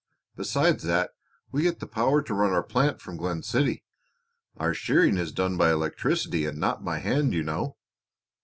Beside that, we get the power to run our plant from Glen City. Our shearing is done by electricity and not by hand, you know."